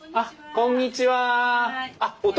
こんにちは。